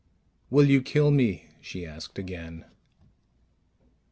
_ "Will you kill me?" she asked again.